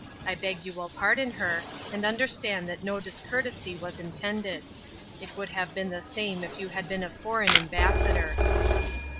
I beg you will pardon her, and understand that no discourtesy was intended ; it would have been the same if you had been a foreign ambassador."